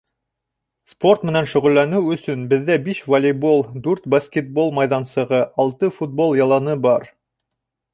Спорт менән шөғөлләнеү өсөн беҙҙә биш волейбол, дүрт баскетбол майҙансығы, алты футбол яланы бар.